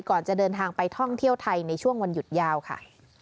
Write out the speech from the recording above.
ก่อนจะเดินทางไปท่องเที่ยวไทยในช่วงวันหยุดยาวค่ะ